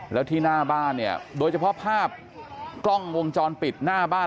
แล้วที่หน้าบ้านเนี่ยโดยเฉพาะภาพกล้องวงจรปิดหน้าบ้าน